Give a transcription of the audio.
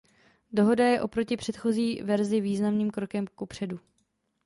Dohoda je oproti předchozí verzi významným krokem kupředu.